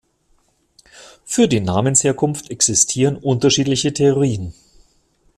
Für die Namensherkunft existieren unterschiedliche Theorien.